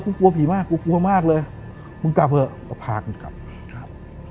กลัวผีมากกูกลัวมากเลยมึงกลับเถอะก็พากันกลับครับ